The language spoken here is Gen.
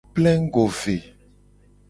Plengugo ve.